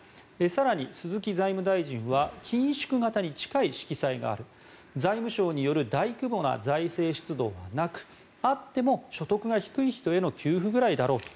更に、鈴木財務大臣は緊縮型に近い色彩がある財務省による大規模な財政出動はなくあっても、所得が低い人への給付くらいだろうと。